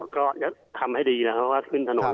ก็ทำให้ดีนะครับเพราะว่าขึ้นถนน